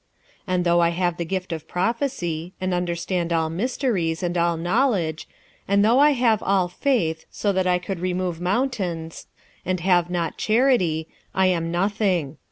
46:013:002 And though I have the gift of prophecy, and understand all mysteries, and all knowledge; and though I have all faith, so that I could remove mountains, and have not charity, I am nothing.